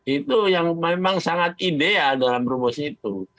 itu yang memang sangat ideal dalam rumus itu